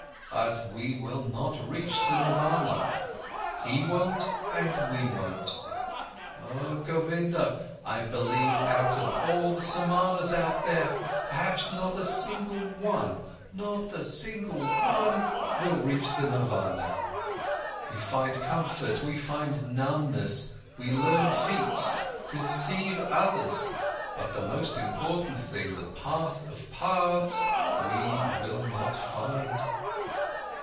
But we will not reach the nirvana, he won't and we won't. Oh Govinda, I believe out of all the Samanas out there, perhaps not a single one, not a single one, will reach the nirvana. We find comfort, we find numbness, we learn feats, to deceive others. But the most important thing, the path of paths, we will not find."